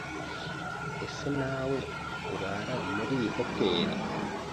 Ese nawe urara muri iyi hoteri?